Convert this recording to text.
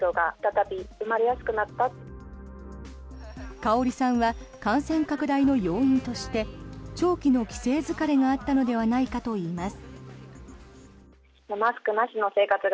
Ｋａｏｒｉさんは感染拡大の要因として長期の規制疲れがあったのではないかといいます。